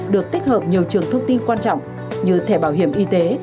được tích hợp nhiều trường thông tin quan trọng như thẻ bảo hiểm y tế